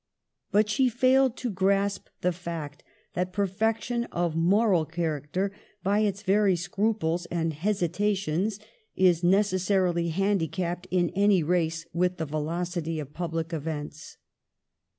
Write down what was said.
But she failed to grasp the fact that perfection of moral character, by its very scruples and hesitations, is necessarily handicapped in any race with the velocity of public events.